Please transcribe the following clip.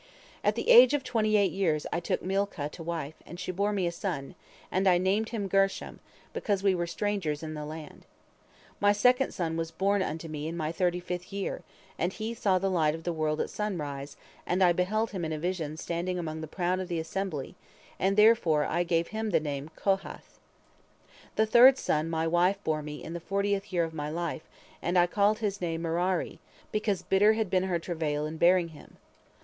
At the age of twenty eight years I took Milcah to wife, and she bore me a son, and I named him Gershom, because we were strangers in the land. But I perceived he would not be in the first ranks of men. My second son was born unto me in my thirty fifth year, and he saw the light of the world at sunrise, and I beheld him in a vision standing among the proud of the assembly, and therefore I gave him the name Kohath. The third son my wife bore me in the fortieth year of my life, and I called his name Merari, because bitter had been her travail in bearing him.